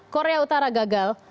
korea utara gagal